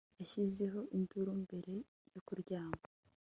Yashyizeho induru mbere yo kuryama